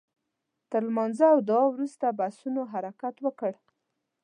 تر لمانځه او دعا وروسته بسونو حرکت وکړ.